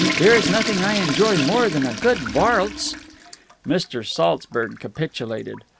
There is nothing I enjoy more than a good varlse." Mr. Saltzburg capitulated.